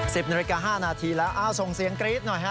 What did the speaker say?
๑๐นาตุรกฎ๕นาทีแล้วเอ้าส่งเสียงกรี๊ดหน่อยฮะ